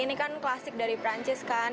ini kan klasik dari perancis kan